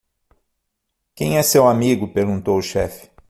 "Quem é seu amigo?" perguntou o chefe.